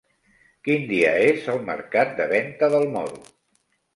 Quin dia és el mercat de Venta del Moro?